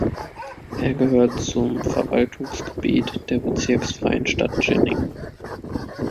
Er gehört zum Verwaltungsgebiet der bezirksfreien Stadt Jining.